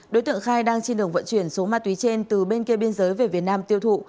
đối tượng khai đang trên đường vận chuyển số ma túy trên từ bên kia biên giới về việt nam tiêu thụ